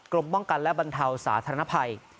กรมป้องกันและบรรเทาสาธารณภัย